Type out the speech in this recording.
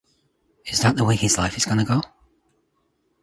Is that the way his life is gonna go?